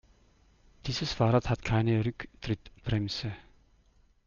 Dieses Fahrrad hat keine Rücktrittbremse.